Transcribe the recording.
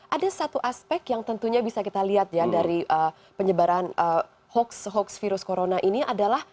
ada satu aspek yang tentunya bisa kita lihat ya dari penyebaran hoax hoax virus corona ini adalah